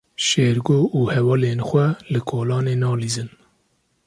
Şêrgo û hevalên xwe li kolanê nalîzin.